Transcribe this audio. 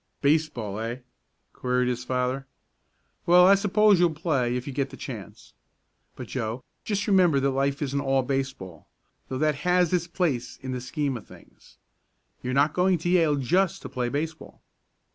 "Baseball; eh?" queried his father. "Well, I suppose you'll play if you get the chance. But, Joe, just remember that life isn't all baseball, though that has its place in the scheme of things. You're not going to Yale just to play baseball."